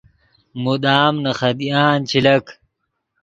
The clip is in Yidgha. مدام نے خدیان چے لک